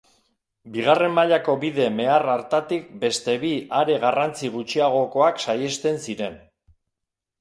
Bigarren mailako bide mehar hartatik beste bi are garrantzi gutxiagokoak saihesten ziren.